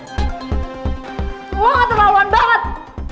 gue nggak terlaluan banget